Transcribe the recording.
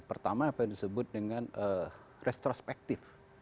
pertama apa yang disebut dengan retrospective